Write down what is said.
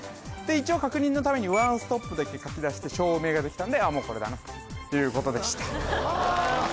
一応確認のためにｏｎｅｓｔｏｐだけ書き出して正銘ができたんでこれだなということでした